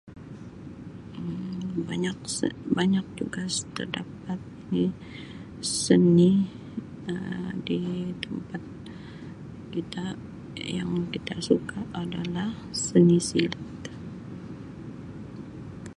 Um Banyak-banyak tugas terdapat di sini Um di tempat kita yang kita suka adalah seni silat.